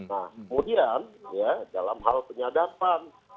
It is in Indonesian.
nah kemudian ya dalam hal penyadapan